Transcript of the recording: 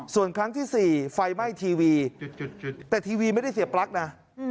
ส่วนครั้งที่๔ไฟไหม้ทีวีแต่ทีวีไม่ได้เสียปลั๊กนะ